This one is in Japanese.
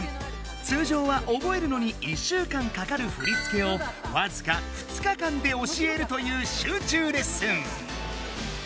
通じょうはおぼえるのに１週間かかる振り付けをわずか２日間で教えるという集中レッスン！